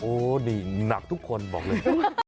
โอ้ดิหนักทุกคนบอกเลย